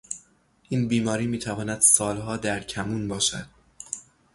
این بیماری میتواند سالها در کمون باشد.